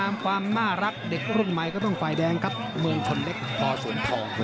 น่ารักมากเลย